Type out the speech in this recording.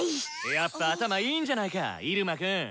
やっぱ頭いいんじゃないかイルマくん。